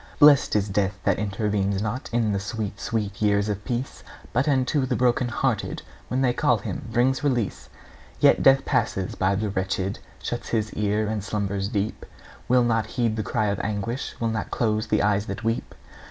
Blest is death that intervenes not In the sweet, sweet years of peace, But unto the broken hearted, When they call him, brings release! Yet Death passes by the wretched, Shuts his ear and slumbers deep; Will not heed the cry of anguish, Will not close the eyes that weep.